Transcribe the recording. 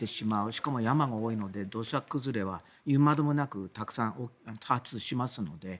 しかも山が多いので土砂崩れは言うまでもなく多発しますので。